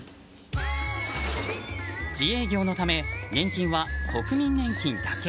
自営業のため年金は国民年金だけ。